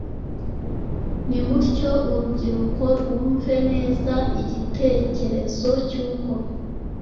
Nimutyo urubyiruko rwumve neza igitekerezo cy’uko